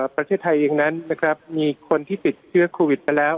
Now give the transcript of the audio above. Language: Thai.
ประเทศไทยเองนั้นนะครับมีคนที่ติดเชื้อโควิดไปแล้ว